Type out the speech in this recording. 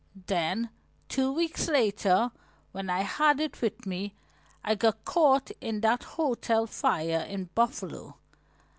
Then, two weeks later, when I had it with me, I got caught in that hotel fire in Buffalo.